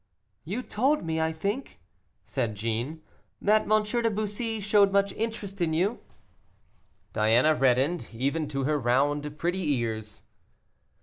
"You told me, I think," said Jeanne, "that M. de Bussy showed much interest in you." Diana reddened, even to her round pretty ears.